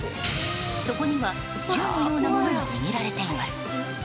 そこには銃のようなものが握られています。